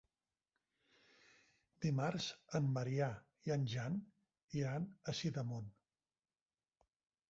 Dimarts en Maria i en Jan iran a Sidamon.